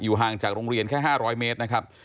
ห่างจากโรงเรียนแค่๕๐๐เมตรนะครับ